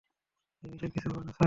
এই দেশের কিচ্ছু হবে না, স্যার।